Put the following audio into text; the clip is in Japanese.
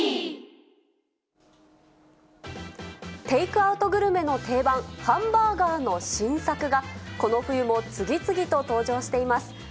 テイクアウトグルメの定番、ハンバーガーの新作が、この冬も次々と登場しています。